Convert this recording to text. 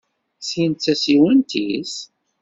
Tin d tasiwant-is?